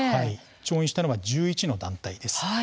調印したのは１１の団体です。